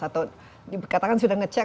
atau katakan sudah ngecek